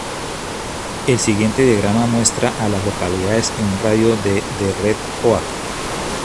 El siguiente diagrama muestra a las localidades en un radio de de Red Oak.